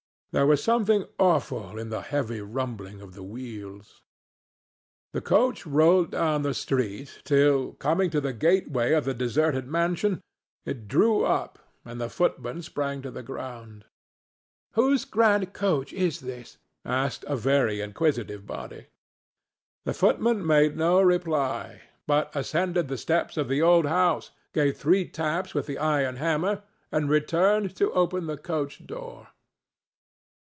There was something awful in the heavy rumbling of the wheels. The coach rolled down the street, till, coming to the gateway of the deserted mansion, it drew up, and the footman sprang to the ground. "Whose grand coach is this?" asked a very inquisitive body. The footman made no reply, but ascended the steps of the old house, gave three taps with the iron hammer, and returned to open the coach door.